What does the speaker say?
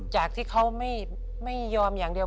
จากที่เขาไม่ยอมอย่างเดียว